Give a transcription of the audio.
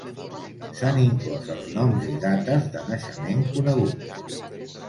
S'han inclòs els noms i dates de naixement coneguts.